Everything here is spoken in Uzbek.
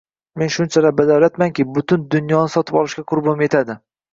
- Men shunchalar badavlatmanki, butun dunyoni sotib olishga qurbim yetadi